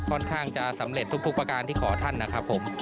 ค่อนข้างจะสำเร็จทุกประการที่ขอท่านนะครับผม